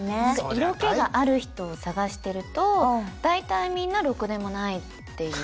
色気がある人を探してると大体みんなろくでもないっていう。